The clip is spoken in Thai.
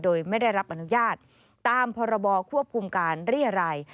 โดยไม่ได้รับอนุญาตตามพรบควบคุมการเรียรัย